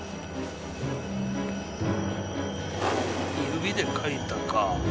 指で書いたか。